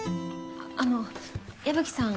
あの矢吹さん